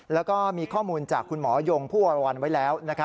แล้วก็มีข้อมูลจากคุณหมอยงผู้วรวรรณไว้แล้ว